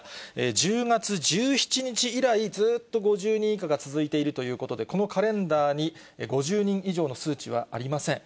１０月１７日以来、ずっと５０人以下が続いているということで、このカレンダーに５０人以上の数値はありません。